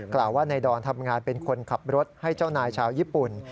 กล่าวว่านายดอนทำงานเป็นคนขับรถให้เจ้านายชาวญี่ปุ่น